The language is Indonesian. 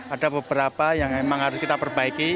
ada beberapa yang memang harus kita perbaiki